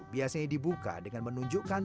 biasanya dibuka dengan menunjukkan